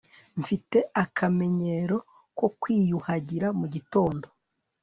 mfite akamenyero ko kwiyuhagira mugitondo